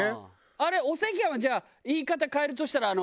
あれお赤飯はじゃあ言い方変えるとしたら。